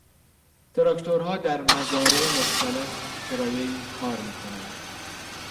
تراکتورها در مزارع مختلف کرایهای کار میکنند.